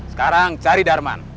sekarang cari darman